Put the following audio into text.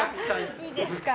いいですか？